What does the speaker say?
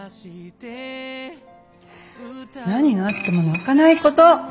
何があっても泣かないこと。